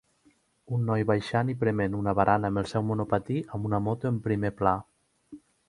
Un noi baixant i prement una barana amb el seu monopatí amb una moto en primer pla